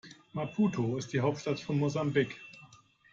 Maputo ist die Hauptstadt von Mosambik.